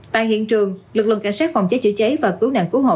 tại hiện trường lực lượng cảnh sát phòng cháy chữa cháy và cứu nạn cứu hộ